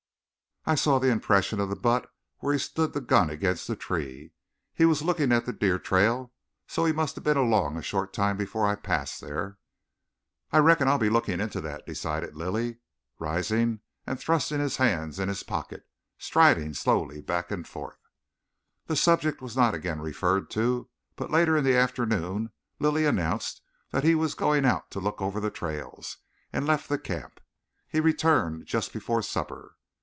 "I saw the impression of the butt where he stood the gun against the tree. He was looking at the deer trail, so he must have been along a short time before I passed there." "I reckon I'll be looking into that," decided Lilly, rising and thrusting his hands in his pockets, striding slowly back and forth. The subject was not again referred to, but later in the afternoon Lilly announced that he was going out to look over the trails, and left the camp. He returned just before supper.